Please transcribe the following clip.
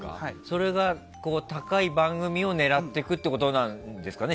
それが高い番組を狙ってくってことなんですかね